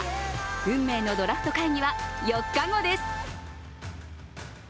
運命のドラフト会議は４日後です。